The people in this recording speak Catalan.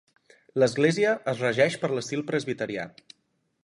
L'església es regeix per l'estil presbiterià.